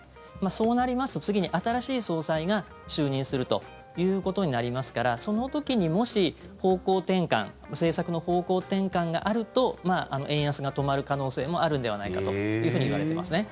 そうなりますと次に新しい総裁が就任するということになりますからその時に、もし、方向転換政策の方向転換があると円安が止まる可能性もあるんではないかというふうにいわれていますね。